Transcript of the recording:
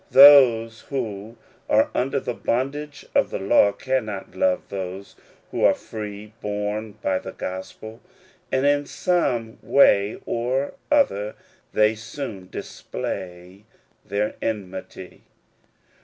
Those who are under the bondage of the law cannot love those who are free born by the gospel, arid in some way or other they soon display their enmity.